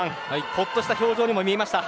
ほっとした表情にも見えました。